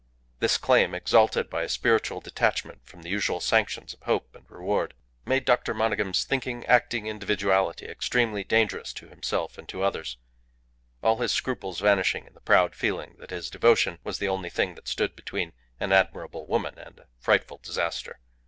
This claim, exalted by a spiritual detachment from the usual sanctions of hope and reward, made Dr. Monygham's thinking, acting, individuality extremely dangerous to himself and to others, all his scruples vanishing in the proud feeling that his devotion was the only thing that stood between an admirable woman and a frightful disaster.